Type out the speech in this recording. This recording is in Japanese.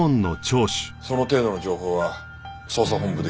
その程度の情報は捜査本部で共有しています。